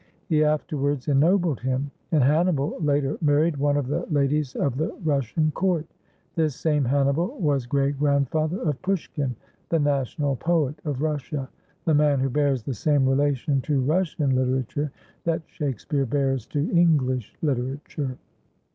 He afterwards ennobled him, and Hannibal, later, married one of the ladies of the Russian court. This same Hannibal was great grandfather of Pushkin, the national poet of Russia, the man who bears the same relation to Russian literature that Shakespeare bears to English literature.